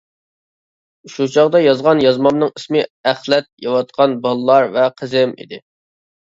شۇ چاغدا يازغان يازمامنىڭ ئىسمى «ئەخلەت يەۋاتقان بالىلار ۋە قىزىم» ئىدى.